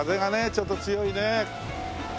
ちょっと強いね。